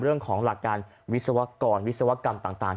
เรื่องของหลักการวิศวกรวิศวกรรมต่าง